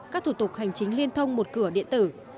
các thủ tục hành chính liên thông một cửa điện tử